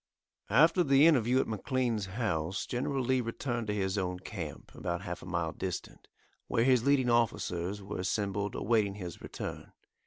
After the interview at McLean's house General Lee returned to his own camp, about half a mile distant, where his leading officers were assembled awaiting his return.